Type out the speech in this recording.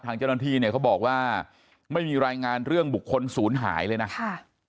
ทางเจ้าหน้าที่เนี่ยเขาบอกว่าไม่มีรายงานเรื่องบุคคลศูนย์หายเลยนะค่ะ